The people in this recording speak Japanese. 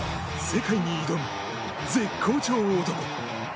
世界に挑む絶好調男。